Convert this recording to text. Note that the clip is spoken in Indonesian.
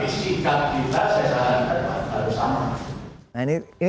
meskipun dirinya tidak seperti saya